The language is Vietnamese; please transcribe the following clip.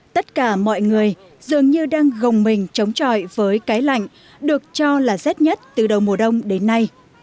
tất cả mọi người dường như đang gồng mình chống trọi với cái lạnh được cho là rét nhất từ đầu mùa đông đến nay